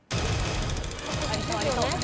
ありそうありそう。